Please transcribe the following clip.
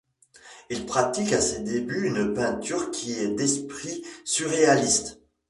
Il pratique à ses débuts une peinture qui est d'esprit surréaliste.